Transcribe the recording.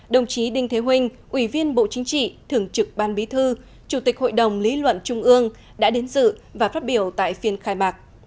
đồng chí đinh thế vinh ủy viên bộ chính trị thưởng trực ban bí thư chủ tịch hội đồng lý luận trung ương đã đến dự và phát biểu tại phiên khai mạc